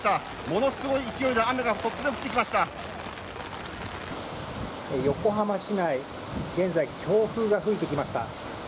ものすごい勢いで雨が突然降って横浜市内、現在、強風が吹いてきました。